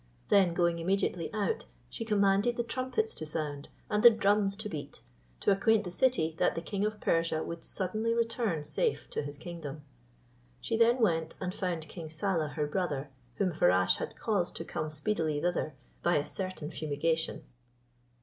Then going immediately out, she commanded the trumpets to sound, and the drums to beat, to acquaint the city, that the king of Persia would suddenly return safe to his kingdom. She then went, and found King Saleh her brother, whom Farasche had caused to come speedily thither by a certain fumigation.